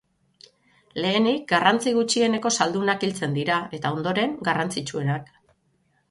Lehenik, garrantzi gutxieneko zaldunak hiltzen dira, eta, ondoren, garrantzitsuenak.